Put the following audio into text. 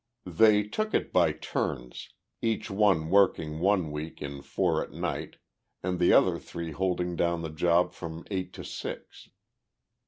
They took it by turns each one working one week in four at night and the other three holding down the job from eight to six.